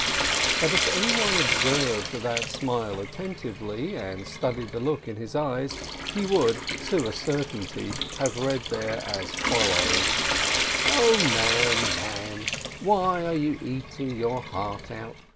But if anyone observed that smile attentively, and studied the look in his eyes, he would, to a certainty, have read there as follows: "0 man, man, why are you eating your heart out?